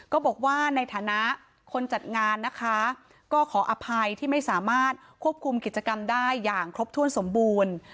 ก็บอกว่าในฐานะคนจัดงานนะคะก็ขออภัยที่ไม่สามารถควบคุมกิจกรรมได้อย่างครบถ้วนสมบูรณ์